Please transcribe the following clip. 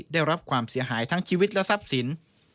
ได้รับความเสียหายทั้งชีวิตและทรัพย์สิน